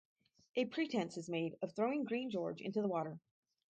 A pretense is made of throwing Green George into the water.